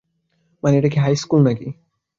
মানে, এটা কি হাইস্কুল নাকি?